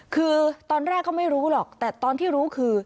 คือตอนแรกก็ไม่รู้หรอกแต่ตอนที่รู้คือ